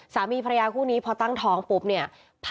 สามีภรรยาคู่นี้พอตั้งท้องปุ๊บเนี่ย